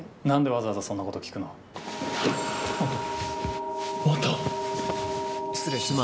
なんでわざわざそんなこと聞音。